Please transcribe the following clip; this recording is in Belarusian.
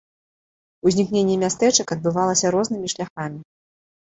Узнікненне мястэчак адбывалася рознымі шляхамі.